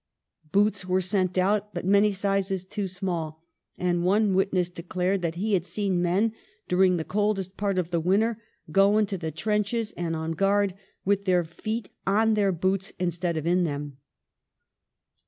Boots were sent out, but many sizes too small, and one witness declared that he had seen men, during the coldest part of the winter, go into the trenches and on guard " with their feet on their boots, instead of in them